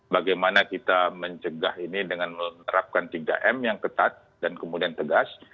bagaimana kita mencegah ini dengan menerapkan tiga m yang ketat dan kemudian tegas